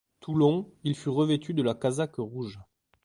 Toulon, il fut revêtu de la casaque rouge.